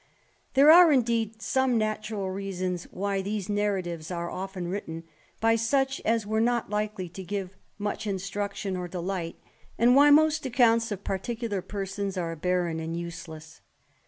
There are, indeed, some natural reasons why these naira ores are often written by such as were not hkely to give tDnch instruction or delight, and why most accounts of particular persons are barren and useless.